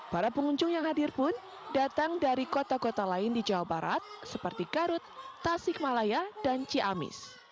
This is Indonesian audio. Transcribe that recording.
para pengunjung yang hadir pun datang dari kota kota lain di jawa barat seperti garut tasik malaya dan ciamis